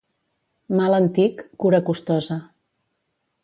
Mal antic, cura costosa.